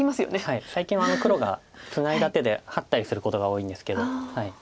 はい最近は黒がツナいだ手でハッたりすることが多いんですけど。